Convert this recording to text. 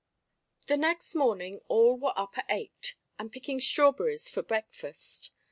IX The next morning all were up at eight and picking strawberries for breakfast.